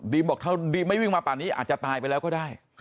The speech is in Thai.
บอกถ้าดีมไม่วิ่งมาป่านี้อาจจะตายไปแล้วก็ได้